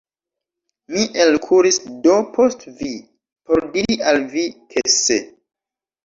Mi elkuris do post vi, por diri al vi, ke se.